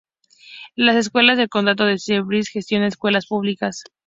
Las Escuelas del Condado de Shelby gestiona escuelas públicas.